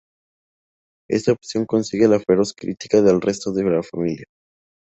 Esta opción consigue la feroz crítica del resto de la familia.